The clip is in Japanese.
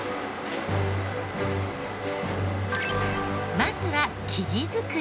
まずは生地作り。